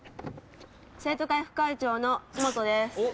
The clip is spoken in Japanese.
生徒会副会長の井本です。